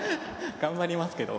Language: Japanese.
頑張りますけど。